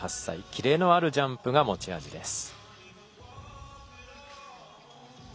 キレのあるジャンプが持ち味です。